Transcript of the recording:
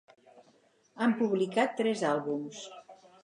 Han publicat tres àlbums.